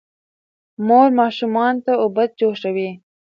مور ماشومانو ته اوبه جوشوي.